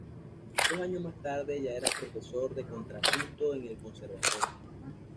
Dos años más tarde ya era profesor de contrapunto en el conservatorio.